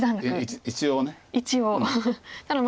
一応ね。